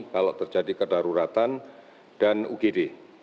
kalau terjadi kedaruratan dan ugd